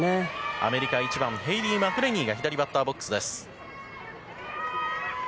アメリカの１番ヘイリー・マクレニーが左バッターボックスです。